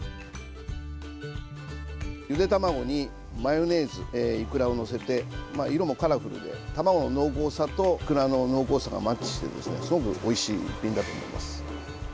ゆで卵にマヨネーズいくらを載せて色もカラフルで卵の濃厚さといくらの濃厚さがマッチしてすごくおいしい一品だと思います。